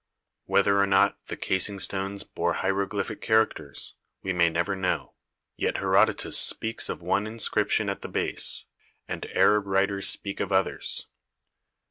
Whether or not the casing stones bore hieroglyphic characters, we may never know, yet Herodotus speaks of one inscription at the base, and Arab writers speak of others.